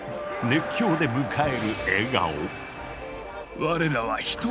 熱狂で迎える笑顔。